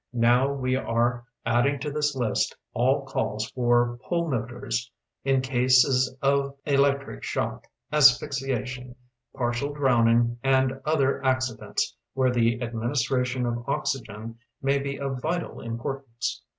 Now we are adding to this list all calls for pulmotors in cases of electric shock, asphyxiation, partial drowning and other accidents where the administration of oxygen may be of vital Importance.